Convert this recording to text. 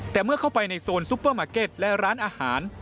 แต่เมื่อเข้าไปในโซนซุปเปอร์มาร์เก็ตและร้านอาหาร